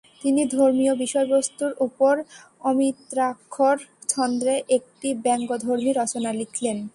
তিনি ধর্মীয় বিষয়বস্তুর উপর অমিত্রাক্ষর ছন্দে একটি ব্যঙ্গধর্মী রচনা লিখেন।